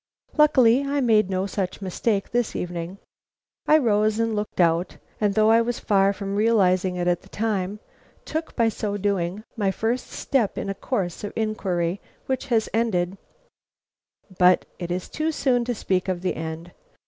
Luckily I made no such mistake this evening. I rose and looked out, and though I was far from realizing it at the time, took, by so doing, my first step in a course of inquiry which has ended But it is too soon to speak of the end.